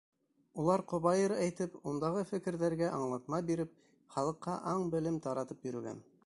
Улар ҡобайыр әйтеп, ундағы фекерҙәргә аңлатма биреп, халыҡҡа аң-белем таратып йөрөгән.